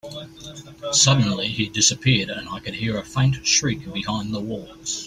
Suddenly, he disappeared, and I could hear a faint shriek behind the walls.